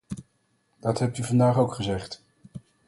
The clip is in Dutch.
Dat hebt u vandaag ook gezegd.